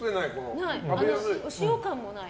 お塩感もない。